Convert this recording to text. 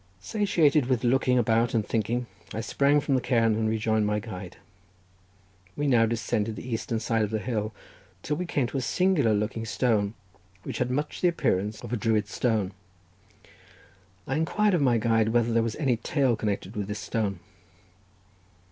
Satiated with looking about and thinking, I sprang from the cairn and rejoined my guide. We now descended the eastern side of the hill till we came to a singular looking stone, which had much the appearance of a Druid's stone. I inquired of my guide whether there was any tale connected with this stone.